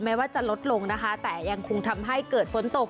ว่าจะลดลงนะคะแต่ยังคงทำให้เกิดฝนตก